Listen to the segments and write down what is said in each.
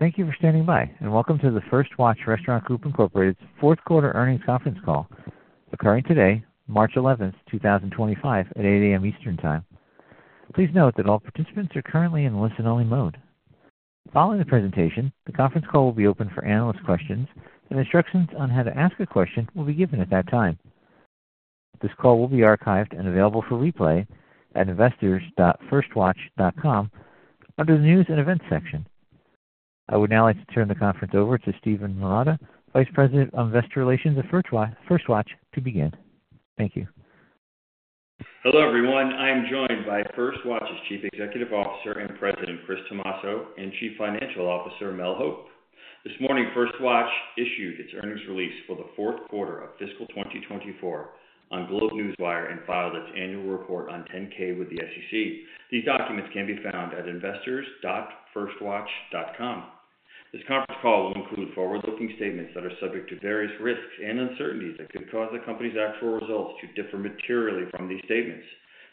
Thank you for standing by, and welcome to the First Watch Restaurant Group Inc's Fourth Quarter Earnings Conference Call occurring today, March 11th, 2025, at 8:00 A.M. Eastern Time. Please note that all participants are currently in listen-only mode. Following the presentation, the conference call will be open for analyst questions, and instructions on how to ask a question will be given at that time. This call will be archived and available for replay at investors.firstwatch.com under the news and events section. I would now like to turn the conference over to Steven Marotta, Vice President of Investor Relations at First Watch, to begin. Thank you. Hello everyone. I am joined by First Watch's Chief Executive Officer and President Chris Tomasso and Chief Financial Officer Mel Hope. This morning, First Watch issued its earnings release for the fourth quarter of fiscal 2024 on GlobeNewswire and filed its annual report on Form 10-K with the SEC. These documents can be found at investors.firstwatch.com. This conference call will include forward-looking statements that are subject to various risks and uncertainties that could cause the company's actual results to differ materially from these statements.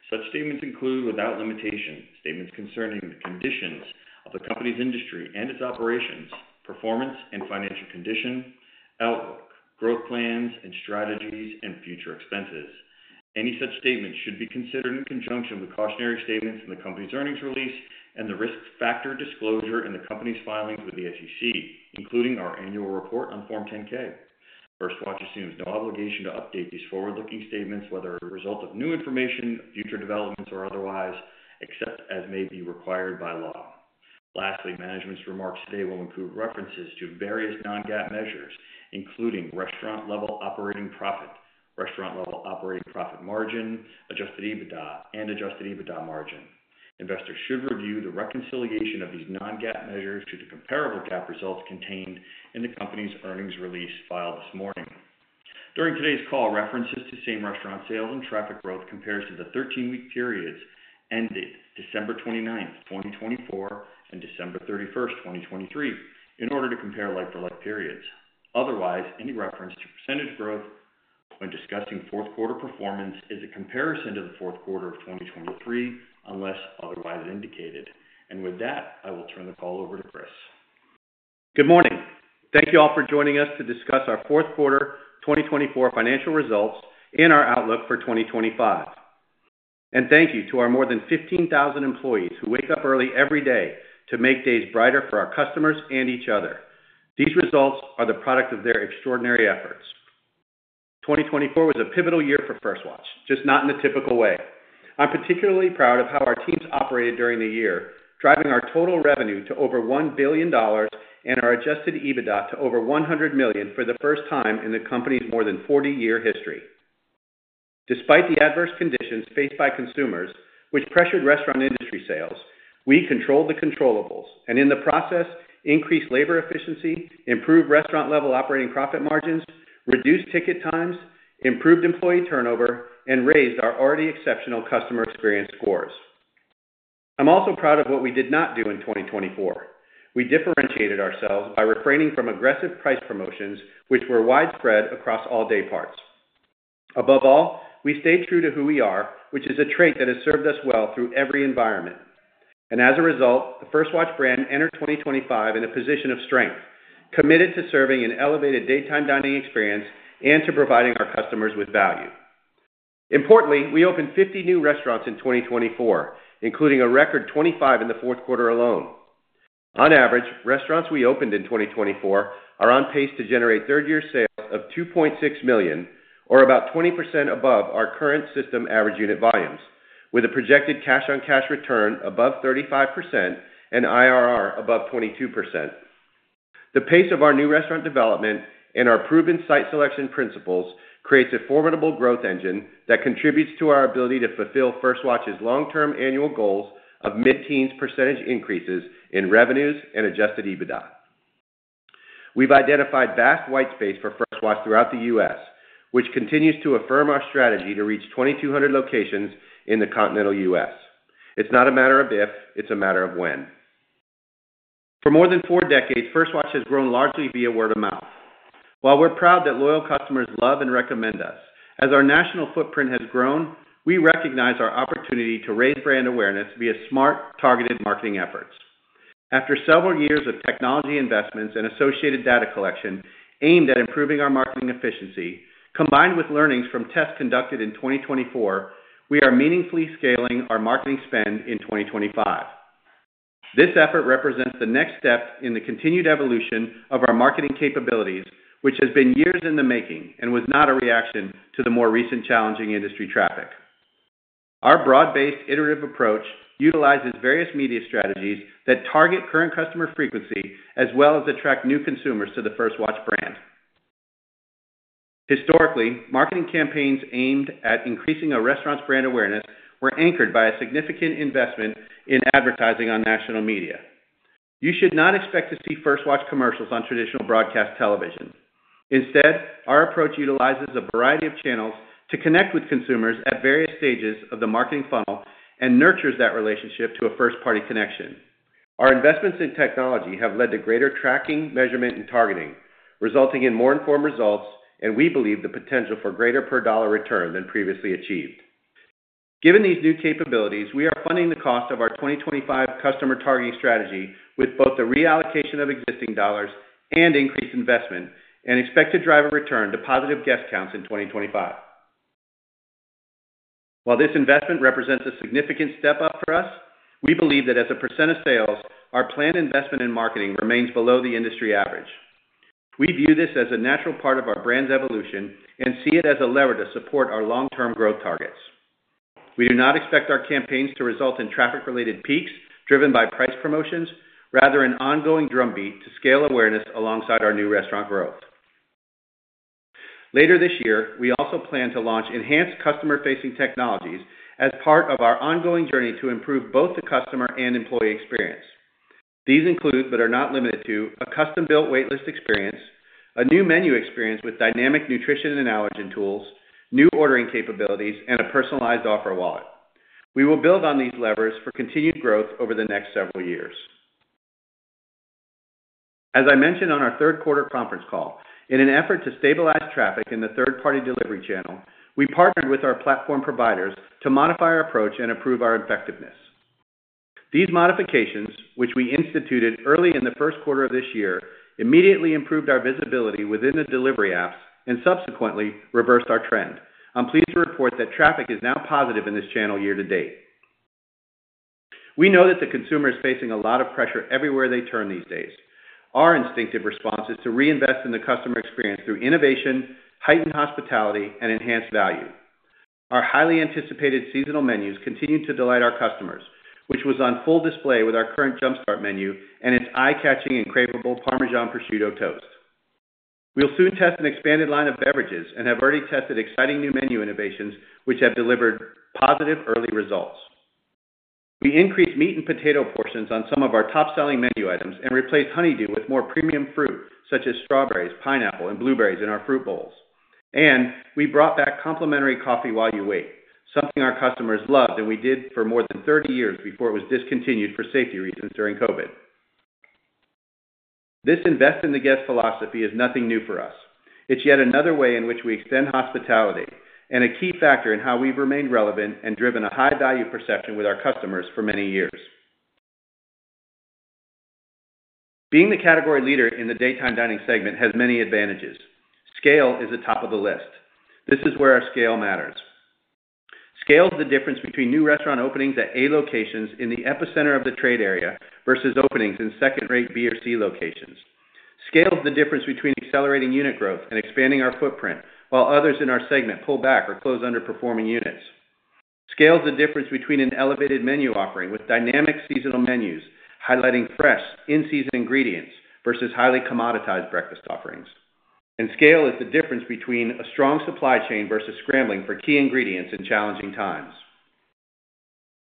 Such statements include without limitation statements concerning the conditions of the company's industry and its operations, performance and financial condition, outlook, growth plans and strategies, and future expenses. Any such statements should be considered in conjunction with cautionary statements in the company's earnings release and the risk factor disclosure in the company's filings with the SEC, including our annual report on Form 10-K. First Watch assumes no obligation to update these forward-looking statements, whether a result of new information, future developments, or otherwise, except as may be required by law. Lastly, management's remarks today will include references to various non-GAAP measures, including restaurant-level operating profit, restaurant-level operating profit margin, adjusted EBITDA, and adjusted EBITDA margin. Investors should review the reconciliation of these non-GAAP measures to the comparable GAAP results contained in the company's earnings release filed this morning. During today's call, references to same restaurant sales and traffic growth compared to the 13-week periods ended December 29, 2024, and December 31, 2023, in order to compare like-to-like periods. Otherwise, any reference to percentage growth when discussing fourth quarter performance is a comparison to the fourth quarter of 2023 unless otherwise indicated. I will turn the call over to Chris. Good morning. Thank you all for joining us to discuss our fourth quarter 2024 financial results and our outlook for 2025. Thank you to our more than 15,000 employees who wake up early every day to make days brighter for our customers and each other. These results are the product of their extraordinary efforts. 2024 was a pivotal year for First Watch, just not in the typical way. I'm particularly proud of how our teams operated during the year, driving our total revenue to over $1 billion and our Adjusted EBITDA to over $100 million for the first time in the company's more than 40-year history. Despite the adverse conditions faced by consumers, which pressured restaurant industry sales, we controlled the controllables and in the process increased labor efficiency, improved restaurant-level operating profit margins, reduced ticket times, improved employee turnover, and raised our already exceptional customer experience scores. I'm also proud of what we did not do in 2024. We differentiated ourselves by refraining from aggressive price promotions, which were widespread across all day parts. Above all, we stayed true to who we are, which is a trait that has served us well through every environment. As a result, the First Watch brand entered 2025 in a position of strength, committed to serving an elevated daytime dining experience and to providing our customers with value. Importantly, we opened 50 new restaurants in 2024, including a record 25 in the fourth quarter alone. On average, restaurants we opened in 2024 are on pace to generate third-year sales of $2.6 million, or about 20% above our current system average unit volumes, with a projected cash-on-cash return above 35% and IRR above 22%. The pace of our new restaurant development and our proven site selection principles creates a formidable growth engine that contributes to our ability to fulfill First Watch's long-term annual goals of mid-teens % increases in revenues and Adjusted EBITDA. We've identified vast white space for First Watch throughout the U.S., which continues to affirm our strategy to reach 2,200 locations in the continental U.S. It's not a matter of if; it's a matter of when. For more than four decades, First Watch has grown largely via word of mouth. While we're proud that loyal customers love and recommend us, as our national footprint has grown, we recognize our opportunity to raise brand awareness via smart, targeted marketing efforts. After several years of technology investments and associated data collection aimed at improving our marketing efficiency, combined with learnings from tests conducted in 2024, we are meaningfully scaling our marketing spend in 2025. This effort represents the next step in the continued evolution of our marketing capabilities, which has been years in the making and was not a reaction to the more recent challenging industry traffic. Our broad-based iterative approach utilizes various media strategies that target current customer frequency as well as attract new consumers to the First Watch brand. Historically, marketing campaigns aimed at increasing a restaurant's brand awareness were anchored by a significant investment in advertising on national media. You should not expect to see First Watch commercials on traditional broadcast television. Instead, our approach utilizes a variety of channels to connect with consumers at various stages of the marketing funnel and nurtures that relationship to a first-party connection. Our investments in technology have led to greater tracking, measurement, and targeting, resulting in more informed results, and we believe the potential for greater per dollar return than previously achieved. Given these new capabilities, we are funding the cost of our 2025 customer targeting strategy with both the reallocation of existing dollars and increased investment, and expect to drive a return to positive guest counts in 2025. While this investment represents a significant step up for us, we believe that as a percent of sales, our planned investment in marketing remains below the industry average. We view this as a natural part of our brand's evolution and see it as a lever to support our long-term growth targets. We do not expect our campaigns to result in traffic-related peaks driven by price promotions, rather an ongoing drumbeat to scale awareness alongside our new restaurant growth. Later this year, we also plan to launch enhanced customer-facing technologies as part of our ongoing journey to improve both the customer and employee experience. These include, but are not limited to, a custom-built waitlist experience, a new menu experience with dynamic nutrition and allergen tools, new ordering capabilities, and a personalized offer wallet. We will build on these levers for continued growth over the next several years. As I mentioned on our third quarter conference call, in an effort to stabilize traffic in the third-party delivery channel, we partnered with our platform providers to modify our approach and improve our effectiveness. These modifications, which we instituted early in the first quarter of this year, immediately improved our visibility within the delivery apps and subsequently reversed our trend. I'm pleased to report that traffic is now positive in this channel year to date. We know that the consumer is facing a lot of pressure everywhere they turn these days. Our instinctive response is to reinvest in the customer experience through innovation, heightened hospitality, and enhanced value. Our highly anticipated seasonal menus continue to delight our customers, which was on full display with our current Jump Start menu and its eye-catching and craveable Parmesan Prosciutto Toast. We'll soon test an expanded line of beverages and have already tested exciting new menu innovations, which have delivered positive early results. We increased meat and potato portions on some of our top-selling menu items and replaced honeydew with more premium fruit such as strawberries, pineapple, and blueberries in our fruit bowls. We brought back complimentary coffee while you wait, something our customers loved and we did for more than 30 years before it was discontinued for safety reasons during COVID. This Invest in the Guest philosophy is nothing new for us. It is yet another way in which we extend hospitality and a key factor in how we've remained relevant and driven a high-value perception with our customers for many years. Being the category leader in the daytime dining segment has many advantages. Scale is atop of the list. This is where our scale matters. Scale is the difference between new restaurant openings at A locations in the epicenter of the trade area versus openings in second-rate B or C locations. Scale is the difference between accelerating unit growth and expanding our footprint while others in our segment pull back or close underperforming units. Scale is the difference between an elevated menu offering with dynamic seasonal menus highlighting fresh, in-season ingredients versus highly commoditized breakfast offerings. Scale is the difference between a strong supply chain versus scrambling for key ingredients in challenging times.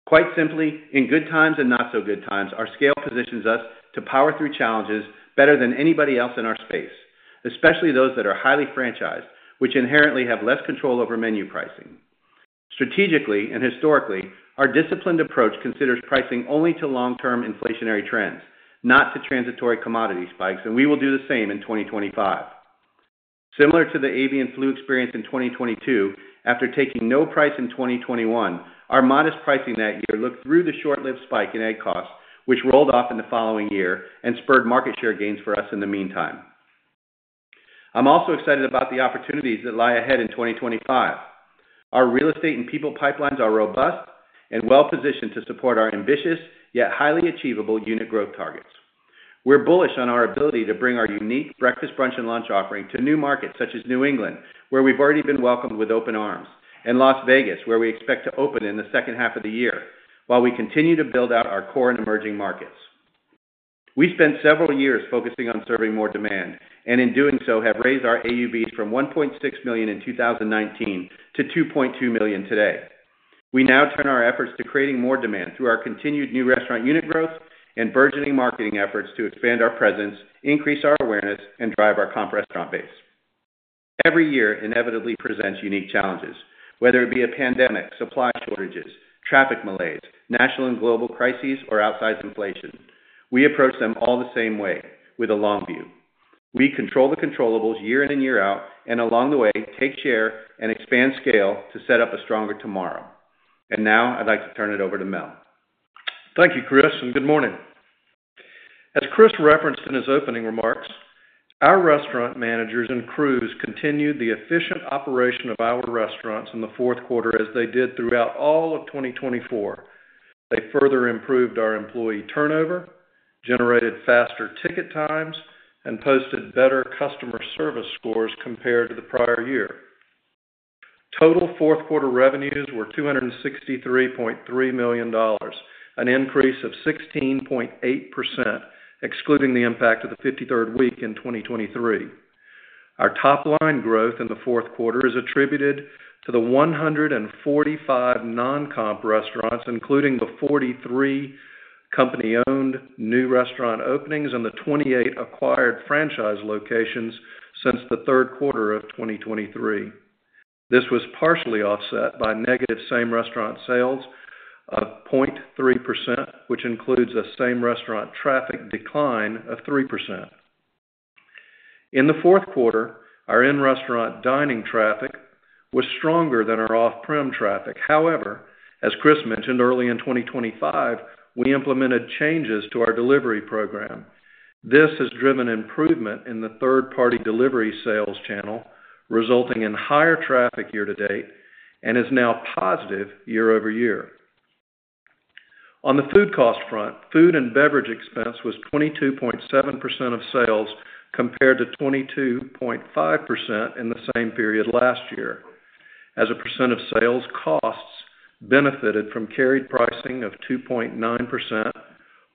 Quite simply, in good times and not-so-good times, our scale positions us to power through challenges better than anybody else in our space, especially those that are highly franchised, which inherently have less control over menu pricing. Strategically and historically, our disciplined approach considers pricing only to long-term inflationary trends, not to transitory commodity spikes, and we will do the same in 2025. Similar to the avian flu experience in 2022, after taking no price in 2021, our modest pricing that year looked through the short-lived spike in egg costs, which rolled off in the following year and spurred market share gains for us in the meantime. I'm also excited about the opportunities that lie ahead in 2025. Our real estate and people pipelines are robust and well-positioned to support our ambitious yet highly achievable unit growth targets. We're bullish on our ability to bring our unique breakfast, brunch, and lunch offering to new markets such as New England, where we've already been welcomed with open arms, and Las Vegas, where we expect to open in the second half of the year, while we continue to build out our core and emerging markets. We spent several years focusing on serving more demand and in doing so have raised our AUVs from $1.6 million in 2019 to $2.2 million today. We now turn our efforts to creating more demand through our continued new restaurant unit growth and burgeoning marketing efforts to expand our presence, increase our awareness, and drive our comp restaurant base. Every year inevitably presents unique challenges, whether it be a pandemic, supply shortages, traffic malaise, national and global crises, or outsized inflation. We approach them all the same way, with a long view. We control the controllables year in and year out and along the way take share and expand scale to set up a stronger tomorrow. Now I'd like to turn it over to Mel. Thank you, Chris, and good morning. As Chris referenced in his opening remarks, our restaurant managers and crews continued the efficient operation of our restaurants in the fourth quarter as they did throughout all of 2024. They further improved our employee turnover, generated faster ticket times, and posted better customer service scores compared to the prior year. Total fourth quarter revenues were $263.3 million, an increase of 16.8%, excluding the impact of the 53rd week in 2023. Our top-line growth in the fourth quarter is attributed to the 145 non-comp restaurants, including the 43 company-owned new restaurant openings and the 28 acquired franchise locations since the third quarter of 2023. This was partially offset by negative same restaurant sales of 0.3%, which includes a same restaurant traffic decline of 3%. In the fourth quarter, our in-restaurant dining traffic was stronger than our off-prem traffic. However, as Chris mentioned, early in 2025, we implemented changes to our delivery program. This has driven improvement in the third-party delivery sales channel, resulting in higher traffic year to date and is now positive year over year. On the food cost front, food and beverage expense was 22.7% of sales compared to 22.5% in the same period last year, as a percent of sales costs benefited from carried pricing of 2.9%,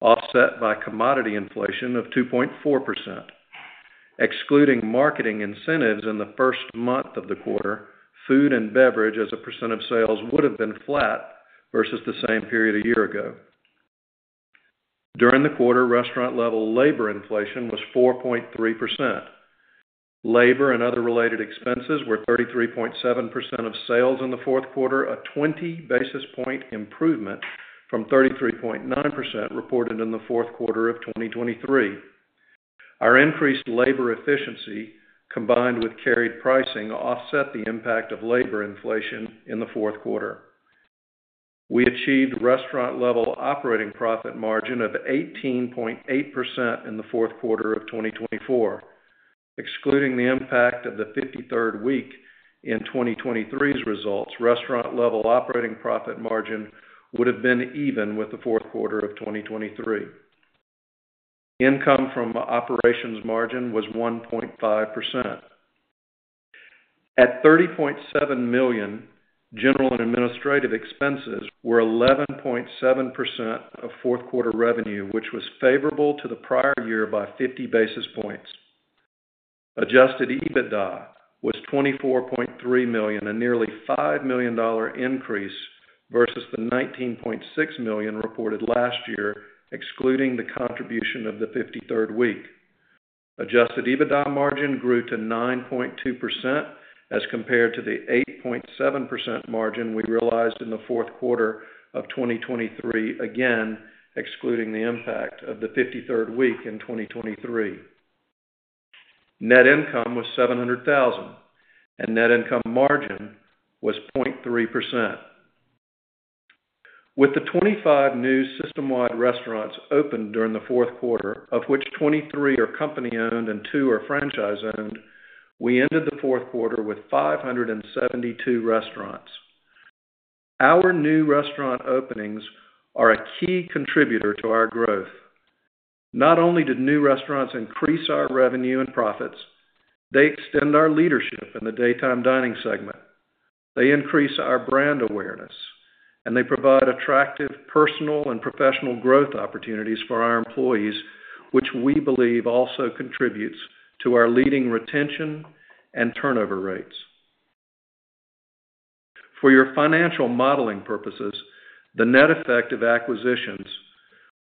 offset by commodity inflation of 2.4%. Excluding marketing incentives in the first month of the quarter, food and beverage as a percent of sales would have been flat versus the same period a year ago. During the quarter, restaurant-level labor inflation was 4.3%. Labor and other related expenses were 33.7% of sales in the fourth quarter, a 20 basis point improvement from 33.9% reported in the fourth quarter of 2023. Our increased labor efficiency, combined with carried pricing, offset the impact of labor inflation in the fourth quarter. We achieved restaurant-level operating profit margin of 18.8% in the fourth quarter of 2024. Excluding the impact of the 53rd week in 2023's results, restaurant-level operating profit margin would have been even with the fourth quarter of 2023. Income from operations margin was 1.5%. At $30.7 million, general and administrative expenses were 11.7% of fourth quarter revenue, which was favorable to the prior year by 50 basis points. Adjusted EBITDA was $24.3 million, a nearly $5 million increase versus the $19.6 million reported last year, excluding the contribution of the 53rd week. Adjusted EBITDA margin grew to 9.2% as compared to the 8.7% margin we realized in the fourth quarter of 2023, again excluding the impact of the 53rd week in 2023. Net income was $700,000, and net income margin was 0.3%. With the 25 new system-wide restaurants opened during the fourth quarter, of which 23 are company-owned and two are franchise-owned, we ended the fourth quarter with 572 restaurants. Our new restaurant openings are a key contributor to our growth. Not only did new restaurants increase our revenue and profits, they extend our leadership in the daytime dining segment. They increase our brand awareness, and they provide attractive personal and professional growth opportunities for our employees, which we believe also contributes to our leading retention and turnover rates. For your financial modeling purposes, the net effect of acquisitions,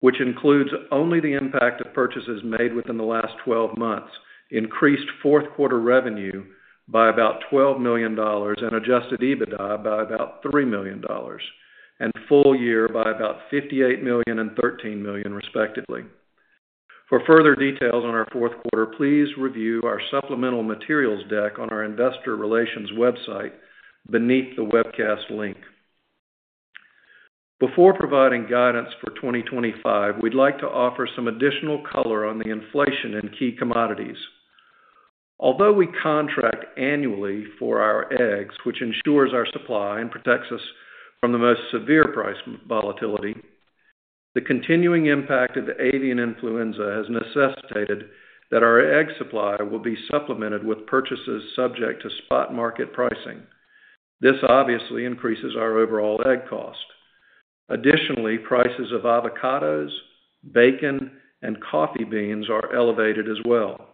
which includes only the impact of purchases made within the last 12 months, increased fourth quarter revenue by about $12 million and Adjusted EBITDA by about $3 million and full year by about $58 million and $13 million, respectively. For further details on our fourth quarter, please review our supplemental materials deck on our investor relations website beneath the webcast link. Before providing guidance for 2025, we'd like to offer some additional color on the inflation in key commodities. Although we contract annually for our eggs, which ensures our supply and protects us from the most severe price volatility, the continuing impact of the avian influenza has necessitated that our egg supply will be supplemented with purchases subject to spot market pricing. This obviously increases our overall egg cost. Additionally, prices of avocados, bacon, and coffee beans are elevated as well.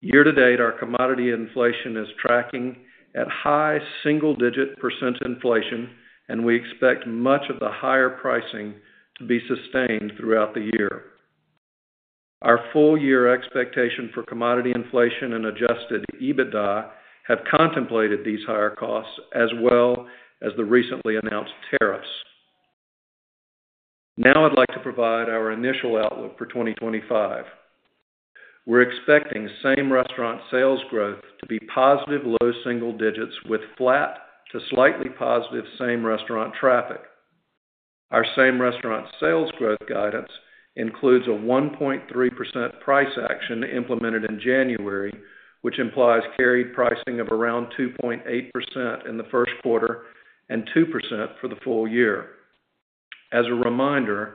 Year to date, our commodity inflation is tracking at high single-digit % inflation, and we expect much of the higher pricing to be sustained throughout the year. Our full-year expectation for commodity inflation and Adjusted EBITDA have contemplated these higher costs as well as the recently announced tariffs. Now I'd like to provide our initial outlook for 2025. We're expecting same restaurant sales growth to be positive low single digits with flat to slightly positive same restaurant traffic. Our same restaurant sales growth guidance includes a 1.3% price action implemented in January, which implies carried pricing of around 2.8% in the first quarter and 2% for the full year. As a reminder,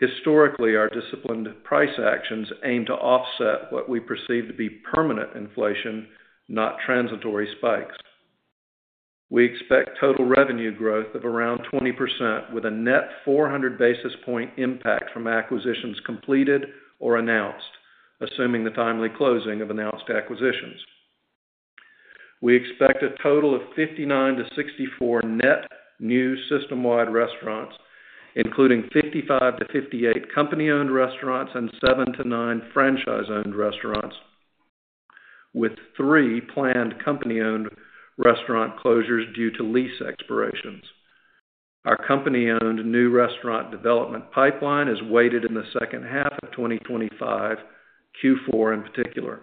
historically, our disciplined price actions aim to offset what we perceive to be permanent inflation, not transitory spikes. We expect total revenue growth of around 20% with a net 400 basis point impact from acquisitions completed or announced, assuming the timely closing of announced acquisitions. We expect a total of 59-64 net new system-wide restaurants, including 55-58 company-owned restaurants and 7-9 franchise-owned restaurants, with three planned company-owned restaurant closures due to lease expirations. Our company-owned new restaurant development pipeline is weighted in the second half of 2025, Q4 in particular.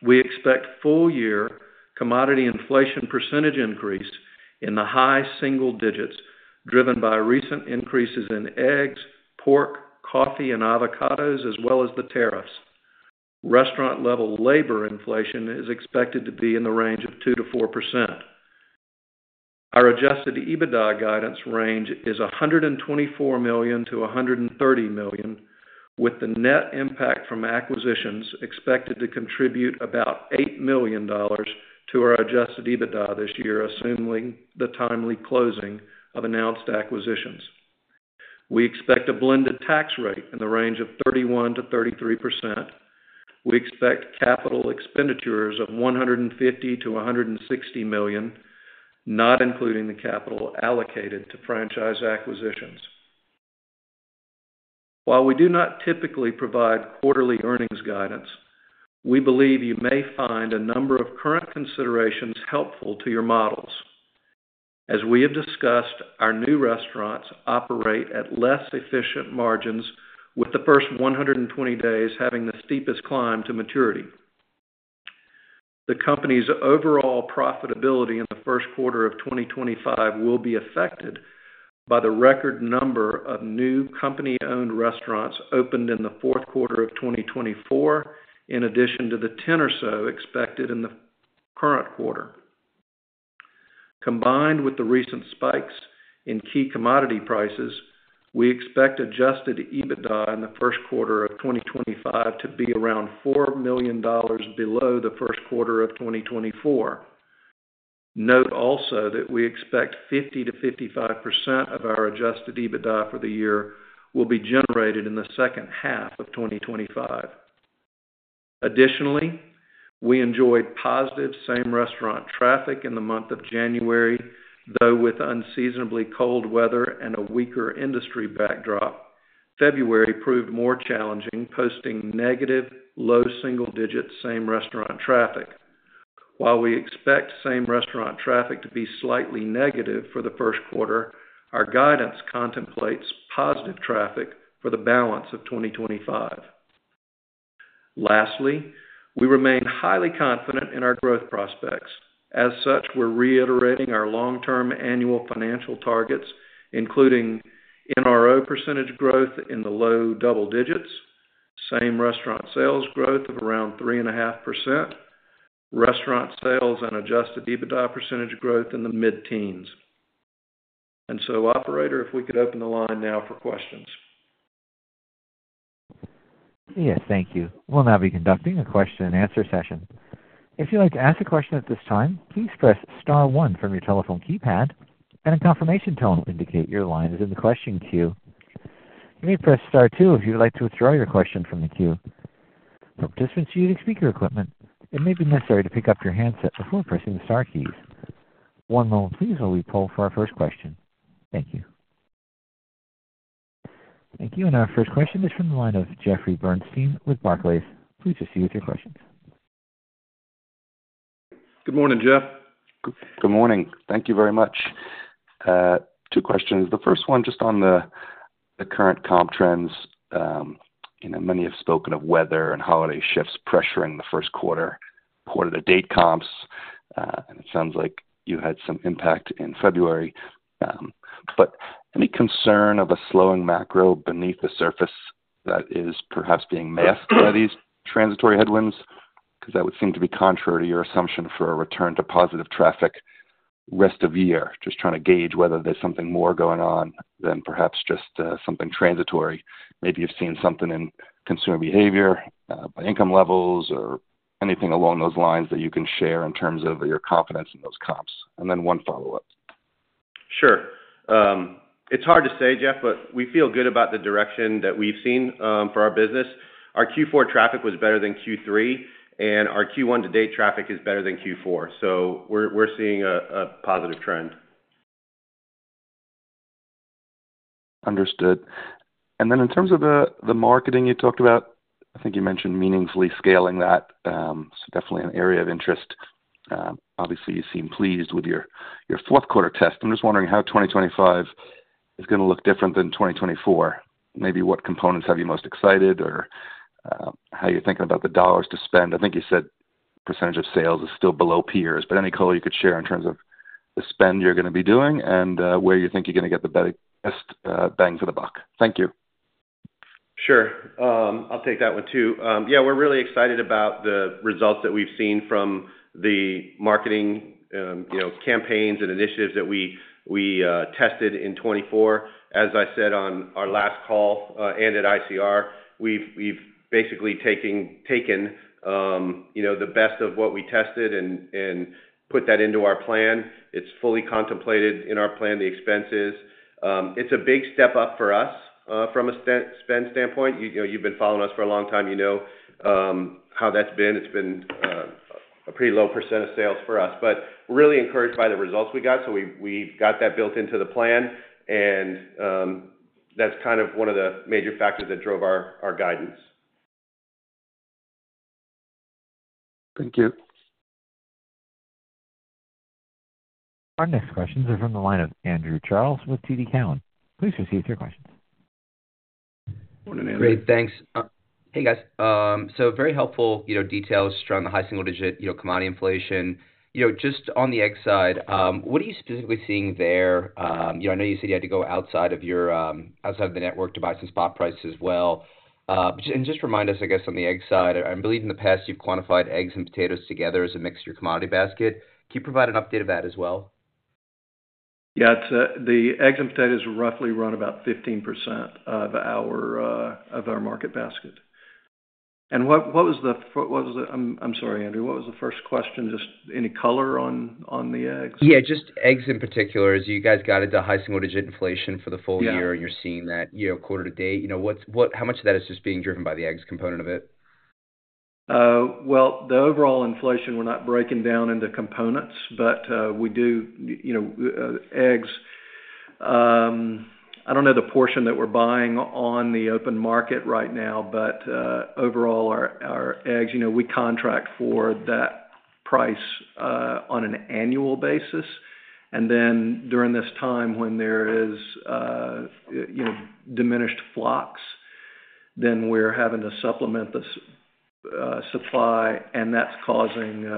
We expect full-year commodity inflation percentage increase in the high single digits driven by recent increases in eggs, pork, coffee, and avocados, as well as the tariffs. Restaurant-level labor inflation is expected to be in the range of 2%-4%. Our Adjusted EBITDA guidance range is $124 million-$130 million, with the net impact from acquisitions expected to contribute about $8 million to our Adjusted EBITDA this year, assuming the timely closing of announced acquisitions. We expect a blended tax rate in the range of 31-33%. We expect capital expenditures of $150 million-$160 million, not including the capital allocated to franchise acquisitions. While we do not typically provide quarterly earnings guidance, we believe you may find a number of current considerations helpful to your models. As we have discussed, our new restaurants operate at less efficient margins, with the first 120 days having the steepest climb to maturity. The company's overall profitability in the first quarter of 2025 will be affected by the record number of new company-owned restaurants opened in the fourth quarter of 2024, in addition to the 10 or so expected in the current quarter. Combined with the recent spikes in key commodity prices, we expect Adjusted EBITDA in the first quarter of 2025 to be around $4 million below the first quarter of 2024. Note also that we expect 50%-55% of our Adjusted EBITDA for the year will be generated in the second half of 2025. Additionally, we enjoyed positive same restaurant traffic in the month of January, though with unseasonably cold weather and a weaker industry backdrop, February proved more challenging, posting negative low single-digit same restaurant traffic. While we expect same restaurant traffic to be slightly negative for the first quarter, our guidance contemplates positive traffic for the balance of 2025. Lastly, we remain highly confident in our growth prospects. As such, we're reiterating our long-term annual financial targets, including NRO % growth in the low double digits, same restaurant sales growth of around 3.5%, restaurant sales and Adjusted EBITDA percentage growth in the mid-teens. Operator, if we could open the line now for questions. Yes, thank you. We will now be conducting a question-and-answer session. If you would like to ask a question at this time, please press star one from your telephone keypad, and a confirmation tone will indicate your line is in the question queue. You may press star two if you would like to withdraw your question from the queue. For participants using speaker equipment, it may be necessary to pick up your handset before pressing the star keys. One moment, please, while we pull for our first question. Thank you. Our first question is from the line of Jeffrey Bernstein with Barclays. Please proceed with your questions. Good morning, Jeff. Good morning. Thank you very much. Two questions. The first one, just on the current comp trends. Many have spoken of weather and holiday shifts pressuring the first quarter, quarter-to-date comps. It sounds like you had some impact in February. Any concern of a slowing macro beneath the surface that is perhaps being masked by these transitory headwinds? That would seem to be contrary to your assumption for a return to positive traffic rest of year, just trying to gauge whether there's something more going on than perhaps just something transitory. Maybe you've seen something in consumer behavior, income levels, or anything along those lines that you can share in terms of your confidence in those comps. Then one follow-up. Sure. It's hard to say, Jeff, but we feel good about the direction that we've seen for our business. Our Q4 traffic was better than Q3, and our Q1-to-date traffic is better than Q4. We are seeing a positive trend. Understood. In terms of the marketing you talked about, I think you mentioned meaningfully scaling that. Definitely an area of interest. Obviously, you seem pleased with your fourth-quarter test. I'm just wondering how 2025 is going to look different than 2024. Maybe what components have you most excited or how you're thinking about the dollars to spend? I think you said percentage of sales is still below peers, but any color you could share in terms of the spend you're going to be doing and where you think you're going to get the best bang for the buck. Thank you. Sure. I'll take that one too. Yeah, we're really excited about the results that we've seen from the marketing campaigns and initiatives that we tested in 2024. As I said on our last call and at ICR, we've basically taken the best of what we tested and put that into our plan. It's fully contemplated in our plan, the expenses. It's a big step up for us from a spend standpoint. You've been following us for a long time. You know how that's been. It's been a pretty low percent of sales for us, but we're really encouraged by the results we got. We've got that built into the plan, and that's kind of one of the major factors that drove our guidance. Thank you. Our next questions are from the line of Andrew Charles with TD Cowen. Please proceed with your questions. Morning, Andrew. Great. Thanks. Hey, guys. Very helpful details around the high single-digit commodity inflation. Just on the egg side, what are you specifically seeing there? I know you said you had to go outside of the network to buy some spot prices as well. Just remind us, I guess, on the egg side, I believe in the past you've quantified eggs and potatoes together as a mix of your commodity basket. Can you provide an update of that as well? Yeah. The eggs and potatoes roughly run about 15% of our market basket. What was the—I'm sorry, Andrew. What was the first question? Just any color on the eggs? Yeah. Just eggs in particular. As you guys got into high single-digit inflation for the full year, and you're seeing that quarter-to-date, how much of that is just being driven by the eggs component of it? The overall inflation, we're not breaking down into components, but we do eggs. I don't know the portion that we're buying on the open market right now, but overall, our eggs, we contract for that price on an annual basis. During this time, when there is diminished flocks, we're having to supplement the supply, and that's causing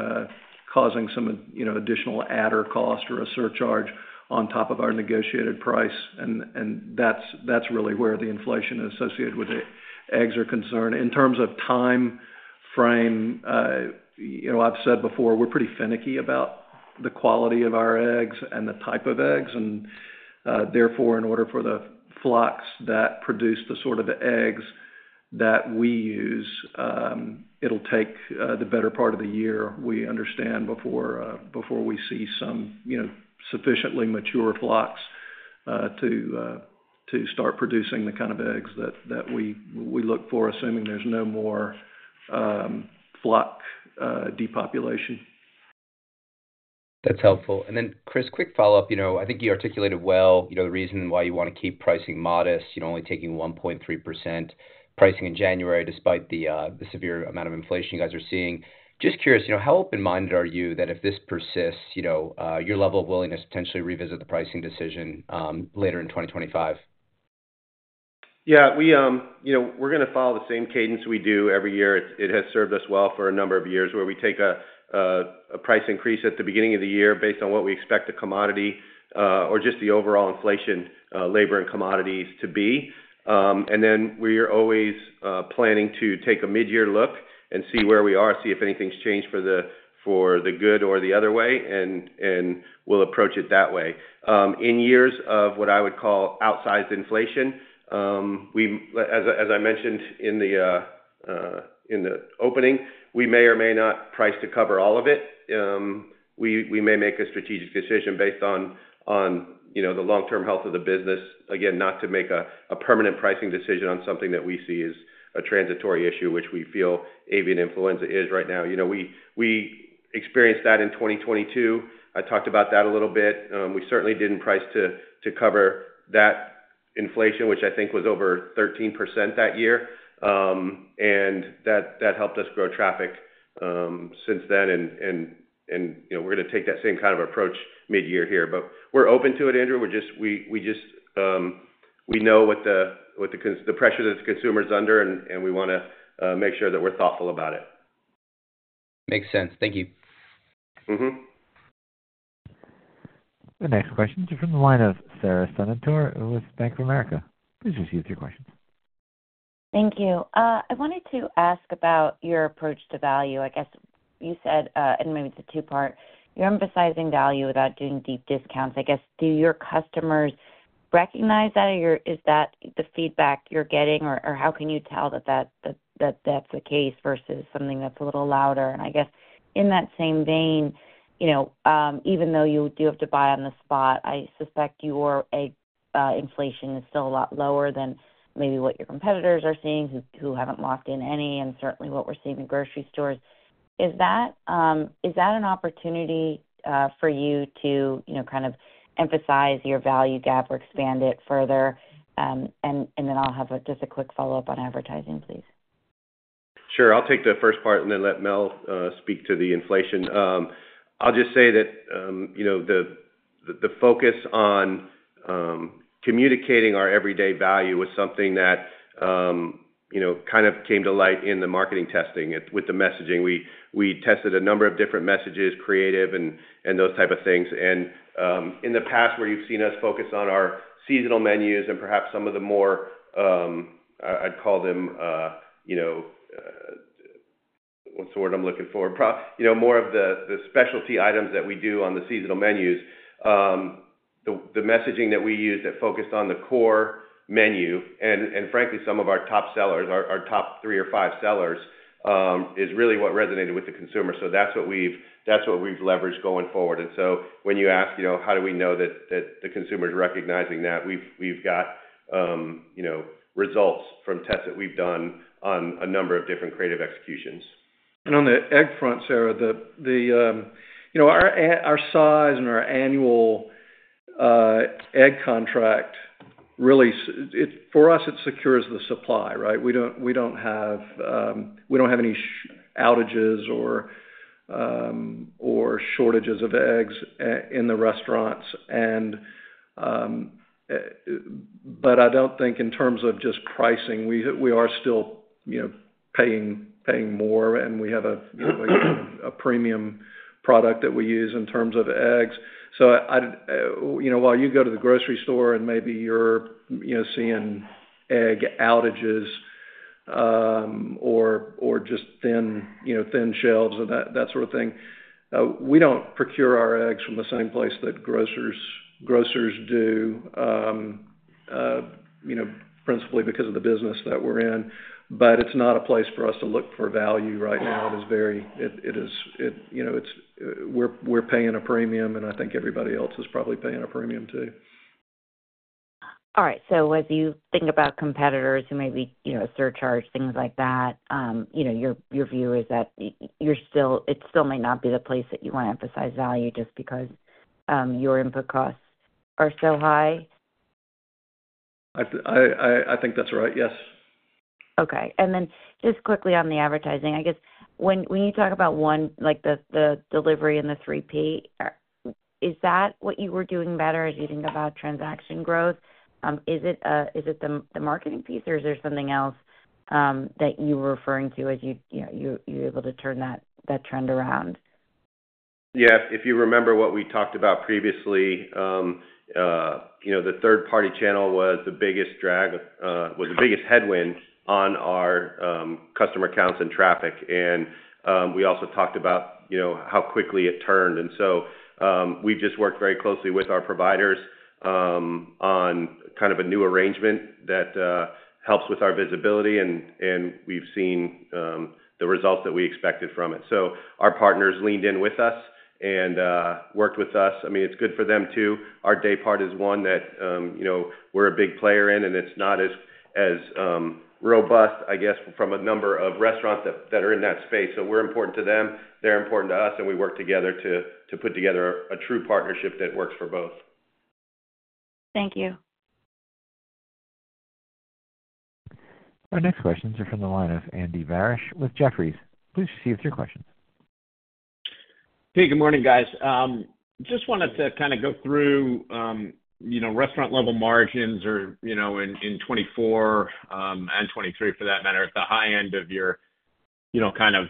some additional adder cost or a surcharge on top of our negotiated price. That's really where the inflation associated with the eggs are concerned. In terms of time frame, I've said before, we're pretty finicky about the quality of our eggs and the type of eggs. Therefore, in order for the flocks that produce the sort of eggs that we use, it will take the better part of the year, we understand, before we see some sufficiently mature flocks to start producing the kind of eggs that we look for, assuming there is no more flock depopulation. That's helpful. Chris, quick follow-up. I think you articulated well the reason why you want to keep pricing modest, only taking 1.3% pricing in January despite the severe amount of inflation you guys are seeing. Just curious, how open-minded are you that if this persists, your level of willingness to potentially revisit the pricing decision later in 2025? Yeah. We're going to follow the same cadence we do every year. It has served us well for a number of years where we take a price increase at the beginning of the year based on what we expect the commodity or just the overall inflation, labor, and commodities to be. We're always planning to take a mid-year look and see where we are, see if anything's changed for the good or the other way, and we'll approach it that way. In years of what I would call outsized inflation, as I mentioned in the opening, we may or may not price to cover all of it. We may make a strategic decision based on the long-term health of the business, again, not to make a permanent pricing decision on something that we see as a transitory issue, which we feel avian influenza is right now. We experienced that in 2022. I talked about that a little bit. We certainly did not price to cover that inflation, which I think was over 13% that year. That helped us grow traffic since then, and we are going to take that same kind of approach mid-year here. We are open to it, Andrew. We know what the pressure that the consumer is under, and we want to make sure that we are thoughtful about it. Makes sense. Thank you. The next question is from the line of Sara Senatore with Bank of America. Please proceed with your questions. Thank you. I wanted to ask about your approach to value. I guess you said, and maybe it's a two-part, you're emphasizing value without doing deep discounts. I guess, do your customers recognize that? Is that the feedback you're getting, or how can you tell that that's the case versus something that's a little louder? I guess in that same vein, even though you do have to buy on the spot, I suspect your inflation is still a lot lower than maybe what your competitors are seeing, who haven't locked in any, and certainly what we're seeing in grocery stores. Is that an opportunity for you to kind of emphasize your value gap or expand it further? I have just a quick follow-up on advertising, please. Sure. I'll take the first part and then let Mel speak to the inflation. I'll just say that the focus on communicating our everyday value was something that kind of came to light in the marketing testing with the messaging. We tested a number of different messages, creative and those type of things. In the past, where you've seen us focus on our seasonal menus and perhaps some of the more, I'd call them, what's the word I'm looking for? More of the specialty items that we do on the seasonal menus. The messaging that we used that focused on the core menu and, frankly, some of our top sellers, our top three or five sellers, is really what resonated with the consumer. That's what we've leveraged going forward. When you ask, how do we know that the consumer is recognizing that? We've got results from tests that we've done on a number of different creative executions. On the egg front, Sarah, our size and our annual egg contract, really, for us, it secures the supply, right? We don't have any outages or shortages of eggs in the restaurants. I don't think in terms of just pricing, we are still paying more, and we have a premium product that we use in terms of eggs. While you go to the grocery store and maybe you're seeing egg outages or just thin shelves and that sort of thing, we don't procure our eggs from the same place that grocers do, principally because of the business that we're in. It's not a place for us to look for value right now. It's very—it's we're paying a premium, and I think everybody else is probably paying a premium too. All right. As you think about competitors who may be surcharged, things like that, your view is that it still may not be the place that you want to emphasize value just because your input costs are so high? I think that's right. Yes. Okay. And then just quickly on the advertising, I guess when you talk about the delivery and the 3P, is that what you were doing better as you think about transaction growth? Is it the marketing piece, or is there something else that you were referring to as you were able to turn that trend around? Yeah. If you remember what we talked about previously, the third-party channel was the biggest drag, was the biggest headwind on our customer accounts and traffic. We also talked about how quickly it turned. We have just worked very closely with our providers on kind of a new arrangement that helps with our visibility, and we have seen the results that we expected from it. Our partners leaned in with us and worked with us. I mean, it is good for them too. Our day part is one that we are a big player in, and it is not as robust, I guess, from a number of restaurants that are in that space. We are important to them. They are important to us, and we work together to put together a true partnership that works for both. Thank you. Our next questions are from the line of Andy Barish with Jefferies. Please proceed with your questions. Hey, good morning, guys. Just wanted to kind of go through restaurant-level margins in 2024 and 2023, for that matter, at the high end of your kind of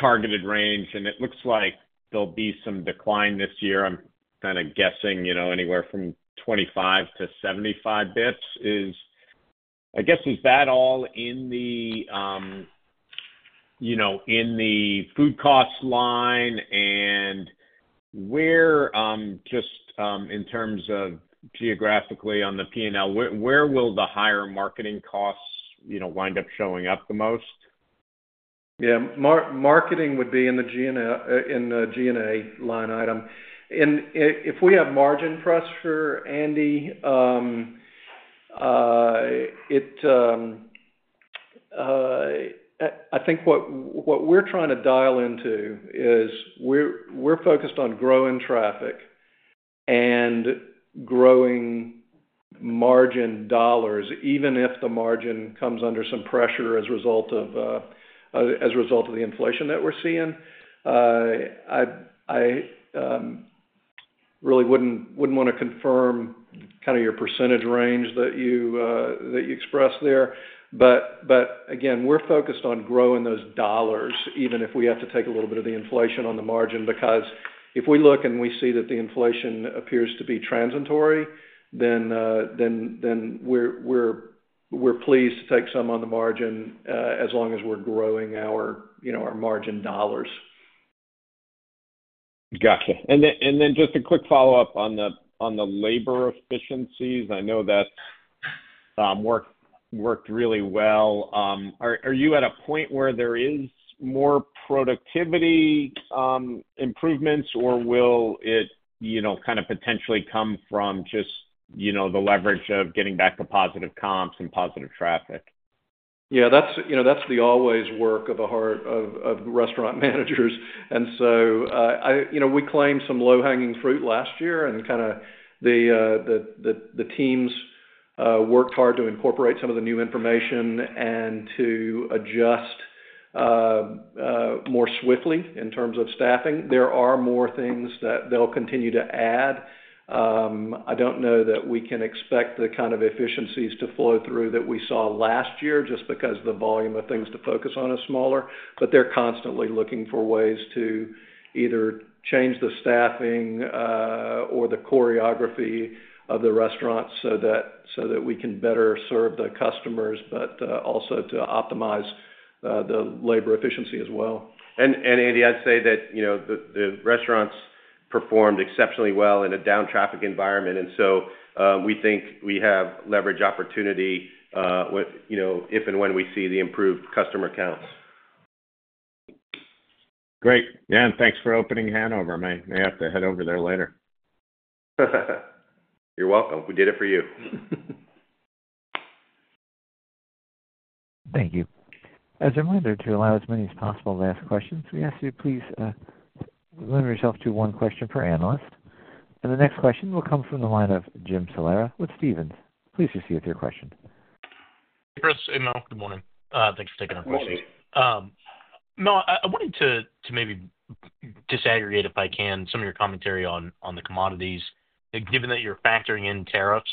targeted range. It looks like there'll be some decline this year. I'm kind of guessing anywhere from 25 bps-75 bps. I guess, is that all in the food cost line? Just in terms of geographically on the P&L, where will the higher marketing costs wind up showing up the most? Yeah. Marketing would be in the G&A line item. If we have margin pressure, Andy, I think what we are trying to dial into is we are focused on growing traffic and growing margin dollars, even if the margin comes under some pressure as a result of the inflation that we are seeing. I really would not want to confirm kind of your percentage range that you expressed there. Again, we are focused on growing those dollars, even if we have to take a little bit of the inflation on the margin. Because if we look and we see that the inflation appears to be transitory, then we are pleased to take some on the margin as long as we are growing our margin dollars. Gotcha. And then just a quick follow-up on the labor efficiencies. I know that worked really well. Are you at a point where there are more productivity improvements, or will it kind of potentially come from just the leverage of getting back to positive comps and positive traffic? Yeah. That's the always work of the heart of restaurant managers. We claimed some low-hanging fruit last year, and the teams worked hard to incorporate some of the new information and to adjust more swiftly in terms of staffing. There are more things that they'll continue to add. I don't know that we can expect the kind of efficiencies to flow through that we saw last year just because the volume of things to focus on is smaller. They are constantly looking for ways to either change the staffing or the choreography of the restaurants so that we can better serve the customers, but also to optimize the labor efficiency as well. Andy, I'd say that the restaurants performed exceptionally well in a down traffic environment. We think we have leverage opportunity if and when we see the improved customer counts. Great. Yeah. Thanks for opening Hanover. I may have to head over there later. You're welcome. We did it for you. Thank you. As a reminder, to allow as many as possible to ask questions, we ask that you please limit yourself to one question per analyst. The next question will come from the line of Jim Salera with Stephens. Please proceed with your question. Hey, Chris. Hey, Mel. Good morning. Thanks for taking our question. Morning. Mel, I wanted to maybe disaggregate, if I can, some of your commentary on the commodities, given that you're factoring in tariffs.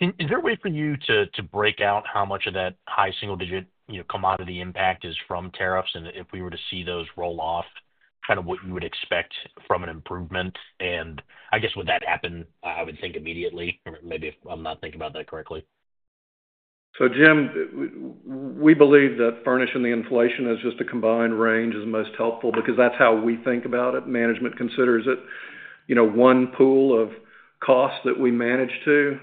Is there a way for you to break out how much of that high single-digit commodity impact is from tariffs? If we were to see those roll off, kind of what you would expect from an improvement? I guess, would that happen, I would think, immediately, or maybe I'm not thinking about that correctly? Jim, we believe that furnishing the inflation as just a combined range is most helpful because that's how we think about it. Management considers it one pool of costs that we manage to.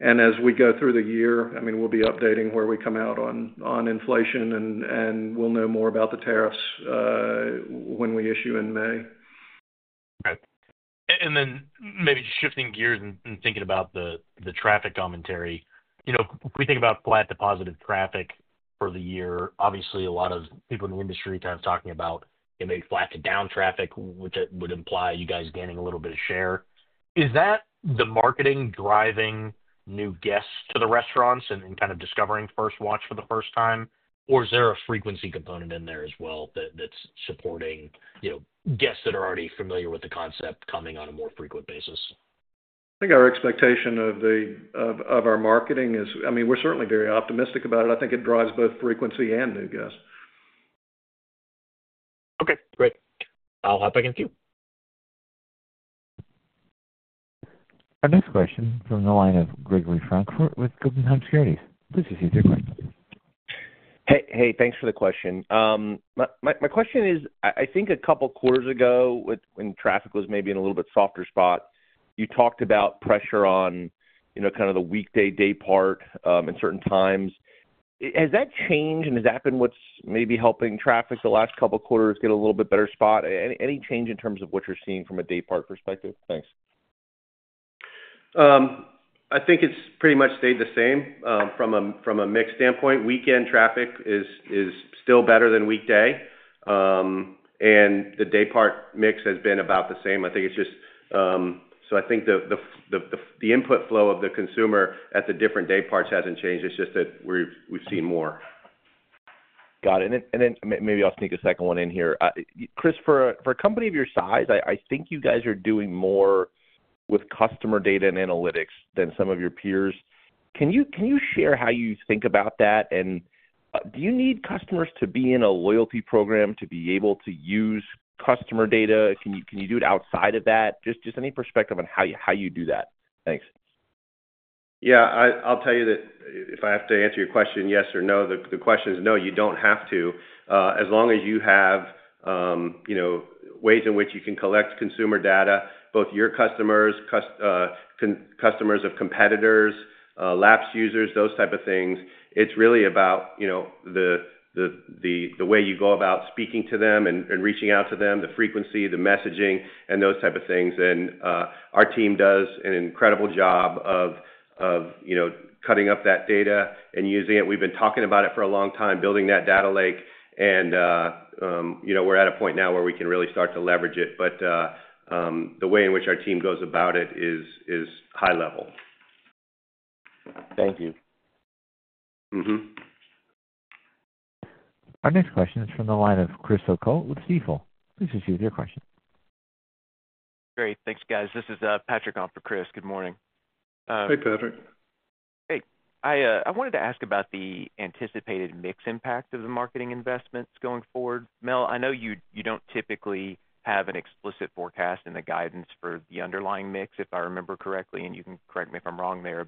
As we go through the year, I mean, we'll be updating where we come out on inflation, and we'll know more about the tariffs when we issue in May. Okay. Maybe shifting gears and thinking about the traffic commentary, if we think about flat to positive traffic for the year, obviously, a lot of people in the industry kind of talking about maybe flat to down traffic, which would imply you guys gaining a little bit of share. Is that the marketing driving new guests to the restaurants and kind of discovering First Watch for the first time? Or is there a frequency component in there as well that's supporting guests that are already familiar with the concept coming on a more frequent basis? I think our expectation of our marketing is, I mean, we're certainly very optimistic about it. I think it drives both frequency and new guests. Okay. Great. I'll hop back in with you. Our next question is from the line of Gregory Francfort with Guggenheim Securities. Please proceed with your question. Hey. Hey. Thanks for the question. My question is, I think a couple of quarters ago, when traffic was maybe in a little bit softer spot, you talked about pressure on kind of the weekday day part at certain times. Has that changed, and has that been what's maybe helping traffic the last couple of quarters get a little bit better spot? Any change in terms of what you're seeing from a day part perspective? Thanks. I think it's pretty much stayed the same from a mix standpoint. Weekend traffic is still better than weekday, and the day part mix has been about the same. I think it's just, so I think the input flow of the consumer at the different day parts hasn't changed. It's just that we've seen more. Got it. Maybe I'll sneak a second one in here. Chris, for a company of your size, I think you guys are doing more with customer data and analytics than some of your peers. Can you share how you think about that? Do you need customers to be in a loyalty program to be able to use customer data? Can you do it outside of that? Just any perspective on how you do that? Thanks. Yeah. I'll tell you that if I have to answer your question yes or no, the question is no, you don't have to. As long as you have ways in which you can collect consumer data, both your customers, customers of competitors, lapse users, those type of things, it's really about the way you go about speaking to them and reaching out to them, the frequency, the messaging, and those type of things. Our team does an incredible job of cutting up that data and using it. We've been talking about it for a long time, building that data lake. We're at a point now where we can really start to leverage it. The way in which our team goes about it is high level. Thank you. Our next question is from the line of Chris O'Cull with Stifel. Please proceed with your question. Great. Thanks, guys. This is Patrick on for Chris. Good morning. Hey, Patrick. Hey. I wanted to ask about the anticipated mix impact of the marketing investments going forward. Mel, I know you do not typically have an explicit forecast in the guidance for the underlying mix, if I remember correctly, and you can correct me if I am wrong there.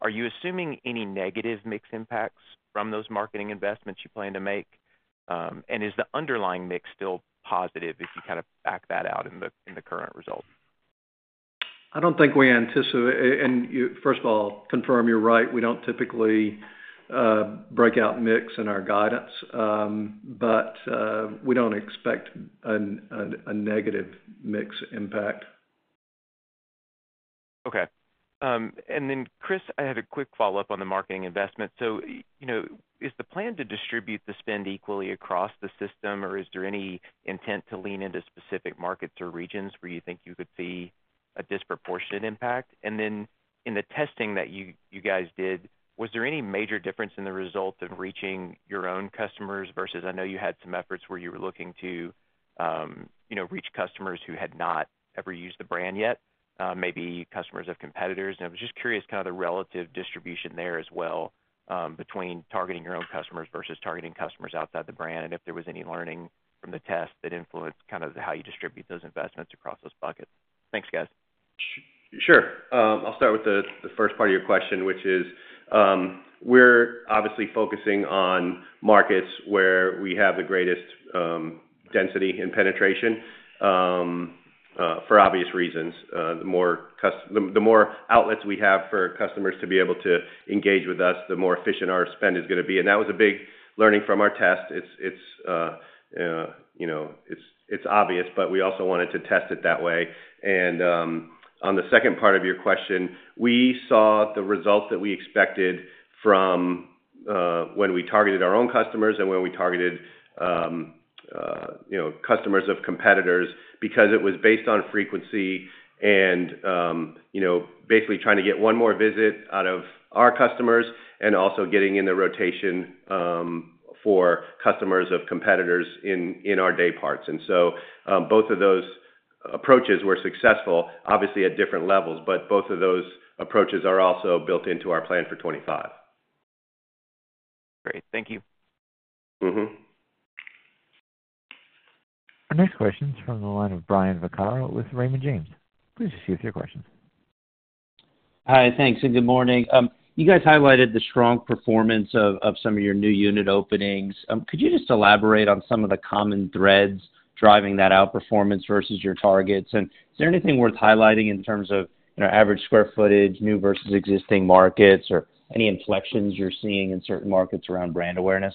Are you assuming any negative mix impacts from those marketing investments you plan to make? Is the underlying mix still positive if you kind of back that out in the current result? I do not think we anticipate—and first of all, I will confirm you are right. We do not typically break out mix in our guidance, but we do not expect a negative mix impact. Okay. Chris, I had a quick follow-up on the marketing investment. Is the plan to distribute the spend equally across the system, or is there any intent to lean into specific markets or regions where you think you could see a disproportionate impact? In the testing that you guys did, was there any major difference in the result of reaching your own customers versus I know you had some efforts where you were looking to reach customers who had not ever used the brand yet, maybe customers of competitors? I was just curious about the relative distribution there as well between targeting your own customers versus targeting customers outside the brand and if there was any learning from the test that influenced how you distribute those investments across those buckets. Thanks, guys. Sure. I'll start with the first part of your question, which is we're obviously focusing on markets where we have the greatest density and penetration for obvious reasons. The more outlets we have for customers to be able to engage with us, the more efficient our spend is going to be. That was a big learning from our test. It's obvious, but we also wanted to test it that way. On the second part of your question, we saw the result that we expected from when we targeted our own customers and when we targeted customers of competitors because it was based on frequency and basically trying to get one more visit out of our customers and also getting in the rotation for customers of competitors in our day parts. Both of those approaches were successful, obviously at different levels, but both of those approaches are also built into our plan for 2025. Great. Thank you. Our next question is from the line of Brian Vaccaro with Raymond James. Please proceed with your questions. Hi. Thanks. Good morning. You guys highlighted the strong performance of some of your new unit openings. Could you just elaborate on some of the common threads driving that outperformance versus your targets? Is there anything worth highlighting in terms of average square footage, new versus existing markets, or any inflections you're seeing in certain markets around brand awareness?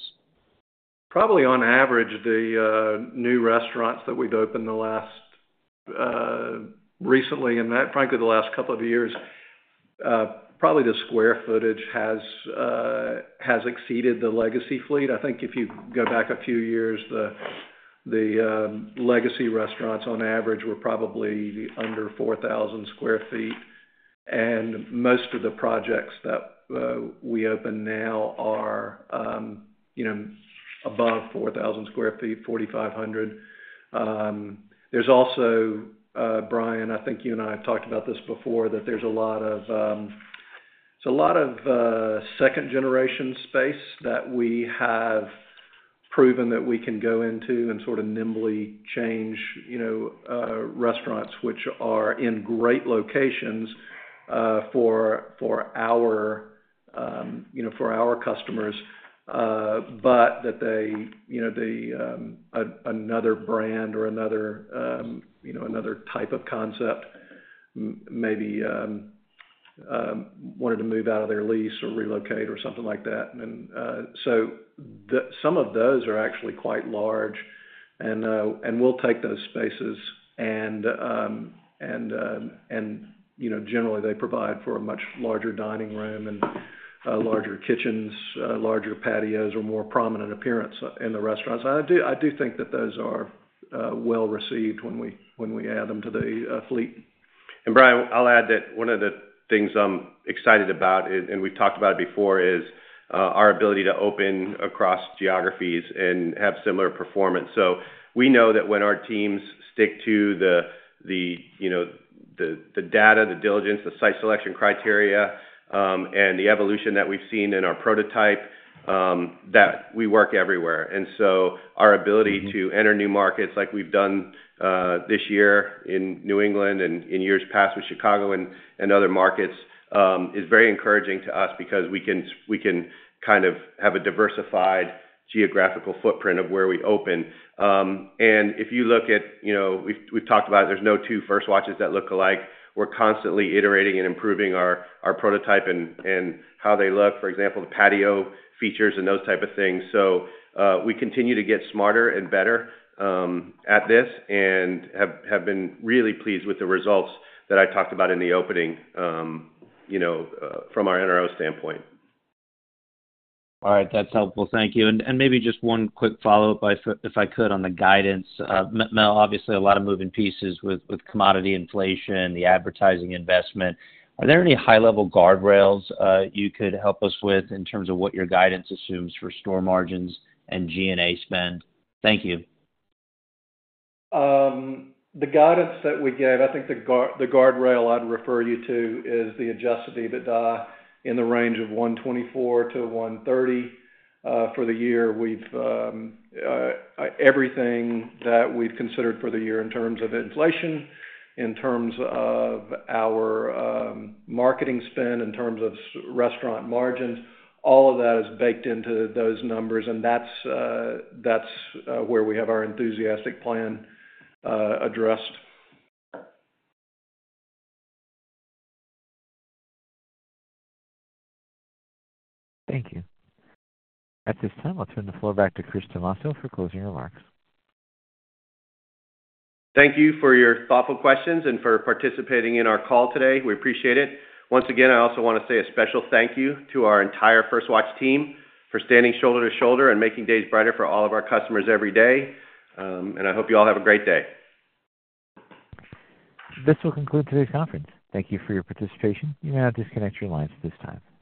Probably on average, the new restaurants that we've opened recently and frankly the last couple of years, probably the square footage has exceeded the legacy fleet. I think if you go back a few years, the legacy restaurants on average were probably under 4,000 sq ft. Most of the projects that we open now are above 4,000 sq ft, 4,500. There is also, Brian, I think you and I have talked about this before, that there is a lot of—it is a lot of second-generation space that we have proven that we can go into and sort of nimbly change restaurants which are in great locations for our customers, but that they—another brand or another type of concept maybe wanted to move out of their lease or relocate or something like that. Some of those are actually quite large, and we will take those spaces. They provide for a much larger dining room and larger kitchens, larger patios, or more prominent appearance in the restaurants. I do think that those are well received when we add them to the fleet. Brian, I'll add that one of the things I'm excited about, and we've talked about it before, is our ability to open across geographies and have similar performance. We know that when our teams stick to the data, the diligence, the site selection criteria, and the evolution that we've seen in our prototype, that we work everywhere. Our ability to enter new markets, like we've done this year in New England and in years past with Chicago and other markets, is very encouraging to us because we can kind of have a diversified geographical footprint of where we open. If you look at—we've talked about there's no two First Watches that look alike. We're constantly iterating and improving our prototype and how they look, for example, the patio features and those type of things. We continue to get smarter and better at this and have been really pleased with the results that I talked about in the opening from our NRO standpoint. All right. That's helpful. Thank you. Maybe just one quick follow-up, if I could, on the guidance. Mel, obviously, a lot of moving pieces with commodity inflation, the advertising investment. Are there any high-level guardrails you could help us with in terms of what your guidance assumes for store margins and G&A spend? Thank you. The guidance that we gave, I think the guardrail I'd refer you to is the Adjusted EBITDA in the range of $124 million-$130 million for the year. Everything that we've considered for the year in terms of inflation, in terms of our marketing spend, in terms of restaurant margins, all of that is baked into those numbers. That is where we have our enthusiastic plan addressed. Thank you. At this time, I'll turn the floor back to Chris Tomasso for closing remarks. Thank you for your thoughtful questions and for participating in our call today. We appreciate it. Once again, I also want to say a special thank you to our entire First Watch team for standing shoulder to shoulder and making days brighter for all of our customers every day. I hope you all have a great day. This will conclude today's conference. Thank you for your participation. You may now disconnect your lines at this time.